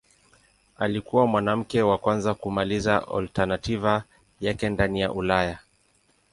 Alikuwa mwanamke wa kwanza kumaliza alternativa yake ndani ya Ulaya.